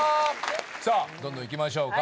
さあどんどんいきましょうか。